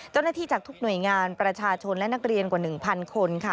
เจ้าหน้าที่จากทุกหน่วยงานประชาชนและนักเรียนกว่า๑๐๐๐คน